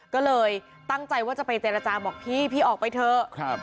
ก็เลยตั้งใจว่าจะไปเจรจาบอกพี่พี่ออกไปเถอะ